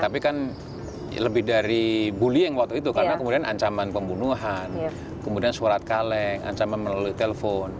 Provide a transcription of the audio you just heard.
tapi kan lebih dari bullying waktu itu karena kemudian ancaman pembunuhan kemudian surat kaleng ancaman melalui telepon